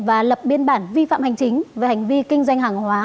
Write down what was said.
và lập biên bản vi phạm hành chính về hành vi kinh doanh hàng hóa